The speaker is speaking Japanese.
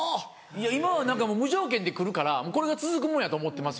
今は無条件で来るからこれが続くもんやと思ってます。